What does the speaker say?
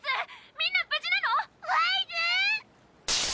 みんな無事なの⁉ワイズ！